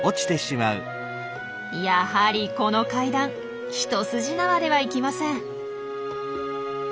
やはりこの階段一筋縄ではいきません。